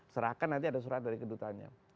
serahkan nanti ada surat dari kedutanya